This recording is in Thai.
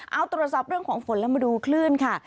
เอาตรวจสอบเรื่องของฝนแล้วมาดูคลื่นค่ะ